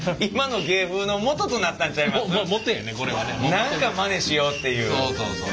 何かまねしようっていう。